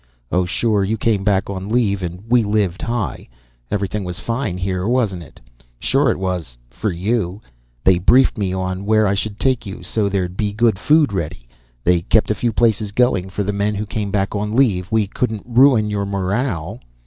Oh, sure, you came back on leave and we lived high. Everything was fine here, wasn't it? Sure it was, for you. They briefed me on where I should take you, so there'd be good food ready. They kept a few places going for the men who came back on leave. We couldn't ruin your morale!"